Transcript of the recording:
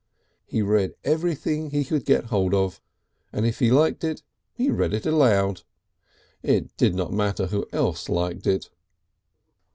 He read everything he could get hold of, and if he liked it he read it aloud. It did not matter who else liked it.